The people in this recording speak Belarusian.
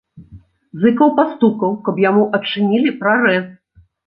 Зыкаў пастукаў, каб яму адчынілі прарэз.